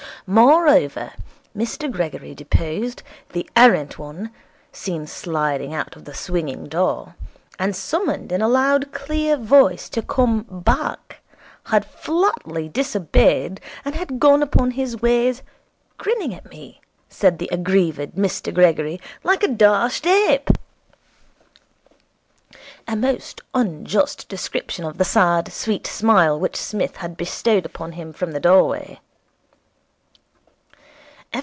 Moreover, Mr Gregory deposed, the errant one, seen sliding out of the swinging door, and summoned in a loud, clear voice to come back, had flatly disobeyed and had gone upon his ways 'Grinning at me,' said the aggrieved Mr Gregory, 'like a dashed ape.' A most unjust description of the sad, sweet smile which Psmith had bestowed upon him from the doorway.